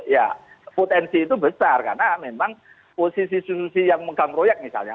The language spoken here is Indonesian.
ya potensi itu besar karena memang posisi institusi yang megang proyek misalnya